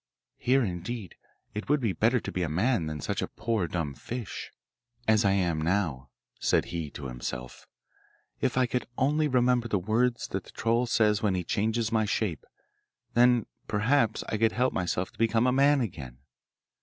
'Here, indeed, it would be better to be a man than such a poor dumb fish as I am now,' said he to himself; 'if I could only remember the words that the troll says when he changes my shape, then perhaps I could help myself to become a man again.